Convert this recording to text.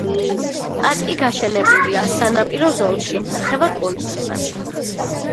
პარკი გაშენებულია სანაპირო ზოლში, ნახევარკუნძულზე.